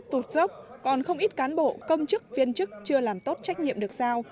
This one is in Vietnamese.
tụt dốc còn không ít cán bộ công chức viên chức chưa làm tốt trách nhiệm được giao